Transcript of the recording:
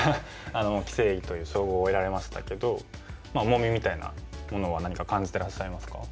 棋聖という称号を得られましたけど重みみたいなものは何か感じてらっしゃいますか？